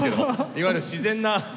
いわゆる自然な。